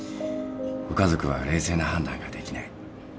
ご家族は冷静な判断ができない。